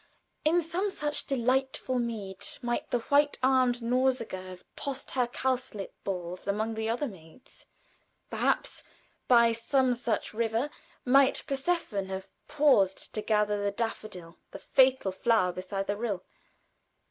In some such delightful mead might the white armed Nausicaa have tossed her cowslip balls among the other maids; perhaps by some such river might Persephone have paused to gather the daffodil "the fateful flower beside the rill."